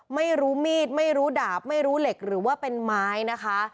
ไม่รู้มีดไม่รู้ดาบไม่รู้เหล็กหรือว่าเป็นไม้นะคะ